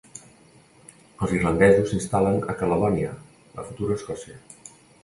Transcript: Els irlandesos s'instal·len a Caledònia, la futura Escòcia.